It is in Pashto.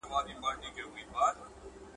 ناپاکي ناروغي راوړي.